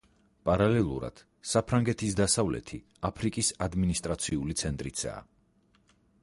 პარალელურად საფრანგეთის დასავლეთი აფრიკის ადმინისტრაციული ცენტრიცაა.